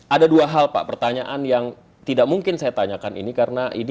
ada dua hal pak pertanyaan yang tidak mungkin saya tanyakan ini karena ini